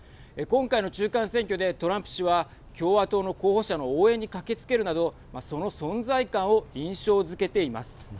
今回の中間選挙でトランプ氏は共和党の候補者の応援に駆けつけるなどその存在感を印象づけています。